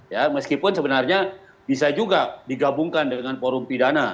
ya meskipun sebenarnya bisa juga digabungkan dengan forum pidana